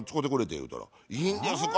言うたら「いいんですか？」